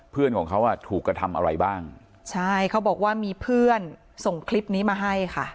เพื่อนของเขาอ่ะถูกกระทำอะไรบ้างใช่เขาบอกว่ามีเพื่อนส่งคลิปนี้มาให้ค่ะ